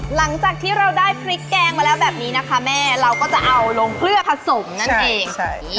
หลังจากที่เราได้พริกแกงมาแล้วแบบนี้นะคะแม่เราก็จะเอาลงเกลือผสมนั่นเอง